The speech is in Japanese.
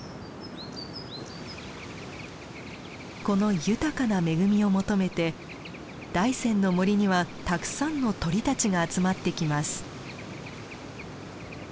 この豊かな恵みを求めて大山の森にはたくさんの鳥たちが集まってきます。